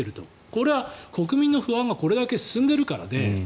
これは国民の不安がこれだけ進んでいるからで。